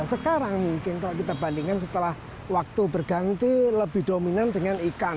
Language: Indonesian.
sekarang mungkin kalau kita bandingkan setelah waktu berganti lebih dominan dengan ikan